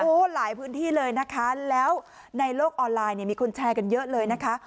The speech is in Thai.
โอ้โหหลายพื้นที่เลยนะคะแล้วในโลกออนไลน์เนี่ยมีคนแชร์กันเยอะเลยนะคะ